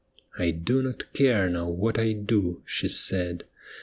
' I do not care now what I do,' she said.